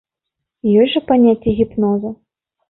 Ёсць жа паняцце гіпнозу.